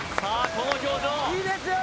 この表情いいですよ！